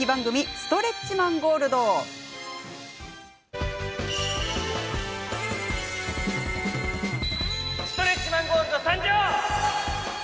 ストレッチマン・ゴールド参上！